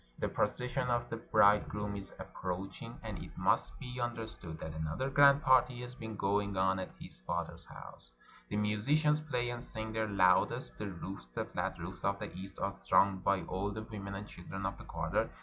The procession of the bride 419 PERSIA groom is approaching: and it must be understood that another grand party has been going on at his father's house. The musicians play and sing their loudest: the roofs (the flat roofs of the East) are thronged by all the women and children of the quarter.